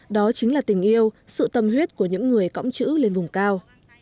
đó chính là tình yêu sự tâm huyết của những người cõng chữ lên vùng cao